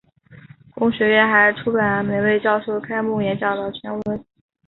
公学院还出版每位教授开幕演讲的全文。